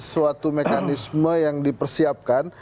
suatu mekanisme yang dipersiapkan